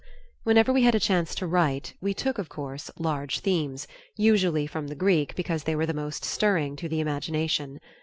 Whenever we had a chance to write, we took, of course, large themes, usually from the Greek because they were the most stirring to the imagination.